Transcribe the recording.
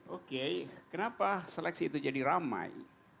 oke kenapa seleksi itu jadi ramai